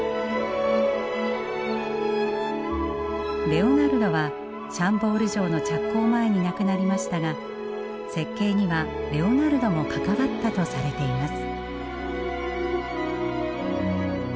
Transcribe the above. レオナルドはシャンボール城の着工前に亡くなりましたが設計にはレオナルドも関わったとされています。